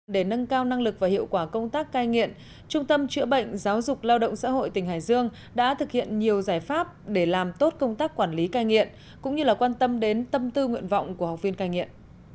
để nâng cao năng lực và hiệu quả công tác cai nghiện trung tâm chữa bệnh giáo dục lao động xã hội tỉnh hải dương đã thực hiện nhiều giải pháp để làm tốt công tác quản lý cai nghiện cũng như quan tâm đến tâm tư nguyện vọng của học viên cai nghiện